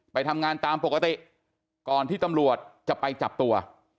ไปทำงานตามปกติก่อนที่ตำรวจจะไปจับตัว